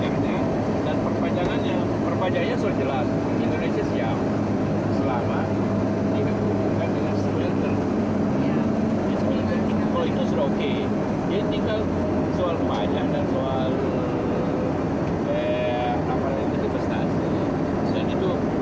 kalau itu sudah oke dia tinggal soal majang dan soal